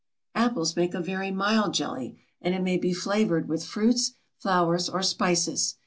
Apples make a very mild jelly, and it may be flavored with fruits, flowers, or spices.